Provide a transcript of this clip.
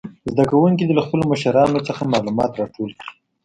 زده کوونکي دې له خپلو مشرانو نه معلومات راټول کړي.